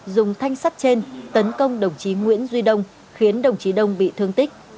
dùng thanh sắt trên tấn công đồng chí nguyễn duy đông khiến đồng chí đông bị thương tích